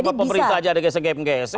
sama pemerintah aja ada gesek gesek